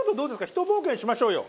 ひと冒険しましょうよ！